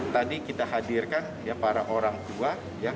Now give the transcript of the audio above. tadi kita hadirkan para orang tua